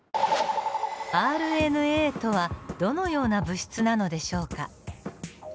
ＲＮＡとはどのような物質なのでしょうか。